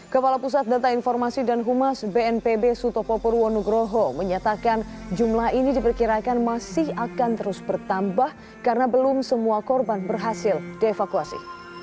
kepala pusat data informasi dan humas bnpb sutopo purwonugroho menyatakan jumlah ini diperkirakan masih akan terus bertambah karena belum semua korban berhasil dievakuasi